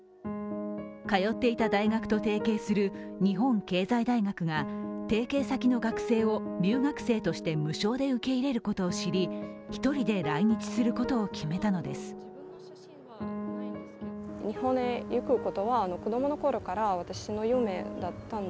通っていた大学と提携する日本経済大学が提携先の学生を留学生として無償で受け入れることを知り１人で来日することを決めたのです悩んだ末の決断。